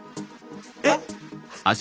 えっ！